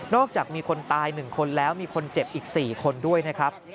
นอกจากมีคนตายหนึ่งคนแล้วมีคนเจ็บอีกสี่คนด้วยนะครับ